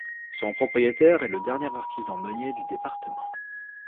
Son propriétaire est le dernier artisan meunier du département.